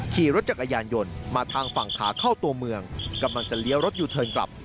ขี่รถจักรยานยนต์มาทางฝั่งขาเข้าตัวเมืองกำลังจะเลี้ยวรถยูเทิร์นกลับ